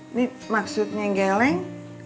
ini maksudnya geleng